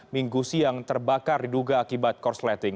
minggu siang terbakar diduga akibat korsleting